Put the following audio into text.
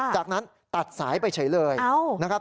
จากนั้นตัดสายไปเฉยเลยนะครับ